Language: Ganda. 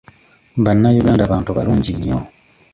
Bannayuganda bantu balungi nnyo.